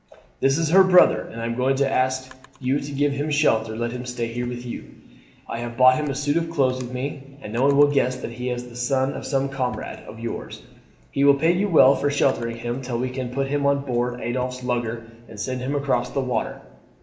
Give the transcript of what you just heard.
This is her brother, and I am going to ask you to give him shelter and let him stay here with you. I have brought him a suit of clothes with me, and no one will guess that he is not the son of some comrade of yours. He will pay you well for sheltering him till we can put him on board Adolphe's lugger and send him across the water.